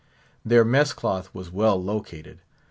Their mess cloth was well located.